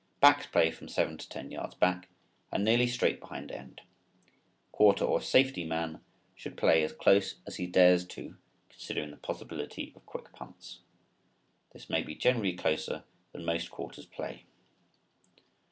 Backs play from seven to ten yards back and nearly straight behind end. Quarter or safety man should play as close as he dares to, considering the possibility of quick punts. This may be generally closer than most quarters play.